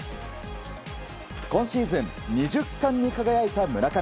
今シーズン２０冠に輝いた村上。